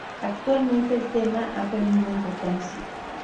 Actualmente el tema ha perdido importancia.